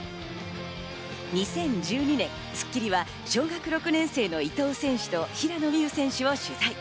２０１２年、『スッキリ』は小学６年生の伊藤選手と平野美宇選手を取材。